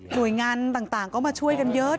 โดยงานต่างก็มาช่วยกันเยอะ